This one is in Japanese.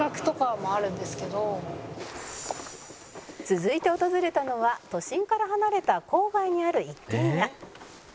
「続いて訪れたのは都心から離れた郊外にある一軒家」